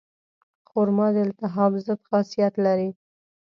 خرما د التهاب ضد خاصیت لري.